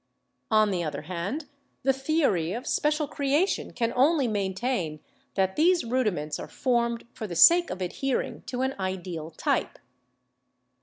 On the other hand, the theory of special creation can only maintain that these rudiments are formed for the sake of adhering to an ideal type.